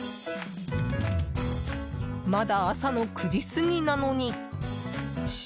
まだ朝の９時過ぎなのに。